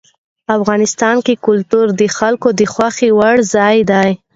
افغانستان کې کلتور د خلکو د خوښې وړ ځای دی.